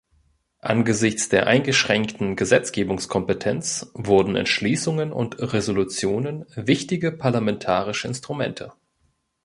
Angesichts der eingeschränkten Gesetzgebungskompetenz wurden Entschließungen und Resolutionen wichtige parlamentarische Instrumente.